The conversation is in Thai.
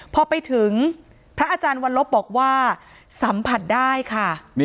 พอไปถึงพระอาจารย์วัลลบบอกว่าสัมผัสได้ค่ะ